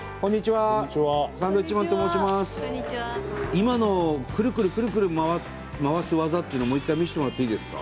今のクルクルクルクル回す技っていうのもう一回見せてもらっていいですか？